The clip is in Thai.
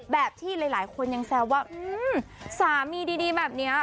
แบบที่หลายหลายคนยังแซวว่าอืมสามีดีดีแบบเนี้ย